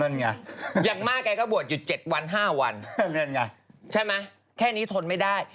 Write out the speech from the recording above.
อย่างมากแกก็บวชอยู่๗วัน๕วันนั่นไงใช่ไหมแค่นี้ทนไม่ได้